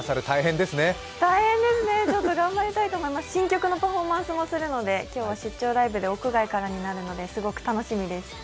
大変ですね、頑張りたいと思います、新曲のパフォーマンスもするので、今日は出張ライブで屋外からになるのですごく楽しみです。